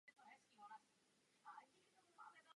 O tomto by měl Evropský den vzpomínky být.